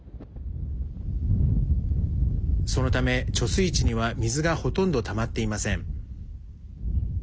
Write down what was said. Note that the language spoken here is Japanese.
そのため、貯水池には水がほとんどたまっていません。